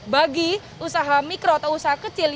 bagi usaha mikro atau usaha kecil yang berhenti